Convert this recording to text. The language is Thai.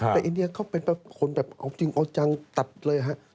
แต่อินเดียเขาเป็นคนแบบเอาจริงเอาจังตัดเลยฮะ